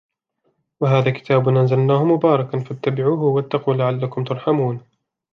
وهذا كتاب أنزلناه مبارك فاتبعوه واتقوا لعلكم ترحمون